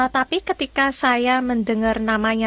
tapi ketika saya mendengar namanya